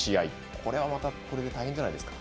これはこれで大変じゃないんですか。